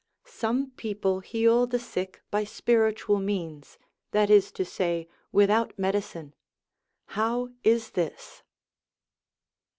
Some people heal the sick by spiritual means, that is to say, without medicine. How is this?